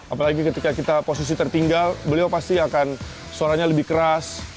apalagi ketika kita posisi tertinggal beliau pasti akan suaranya lebih keras